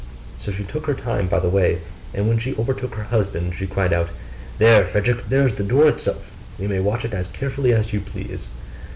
So she took her time by the way; and when she overtook her husband she cried out, 'There, Frederick, there is the door itself, you may watch it as carefully as you please.